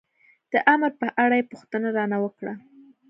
د امر په اړه یې پوښتنه را نه وکړه.